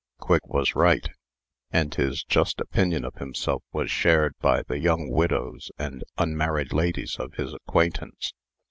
Quigg was right; and his just opinion of himself was shared by the young widows and unmarried ladies of his acquaintance.